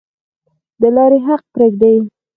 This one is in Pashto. د لارې حق پریږدئ؟